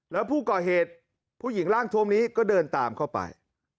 แล้วผู้ก่อเหตุผู้หญิงร่างทวมนี้ก็เดินตามเข้าไป